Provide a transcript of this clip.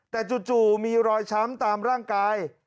แต่จู่มีรอยช้ำตามร่างกาย